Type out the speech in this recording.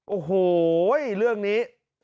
โอ้โหเรื่องนี้